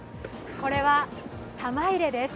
これは玉入れです。